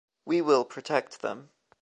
We will protect them.